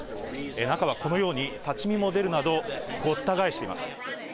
中はこのように立ち見も出るなど、ごった返しています。